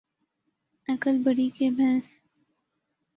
عقل بڑی کہ بھینس